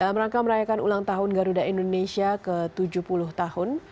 dalam rangka merayakan ulang tahun garuda indonesia ke tujuh puluh tahun